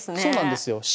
そうなんですよ。